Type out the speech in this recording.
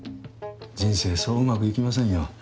人生そううまくいきませんよ。